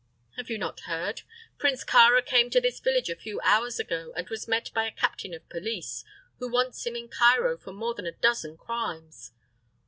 "Have you not heard? Prince Kāra came to this village a few hours ago and was met by a captain of police, who wants him in Cairo for more than a dozen crimes."